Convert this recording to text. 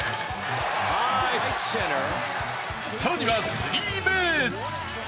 更にはスリーベース。